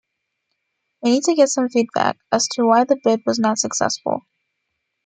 We need to get some feedback as to why the bid was not successful.